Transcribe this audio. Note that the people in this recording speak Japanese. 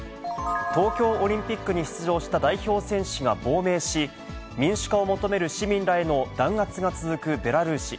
東京オリンピックに出場した代表選手が亡命し、民主化を求める市民らへの弾圧が続くベラルーシ。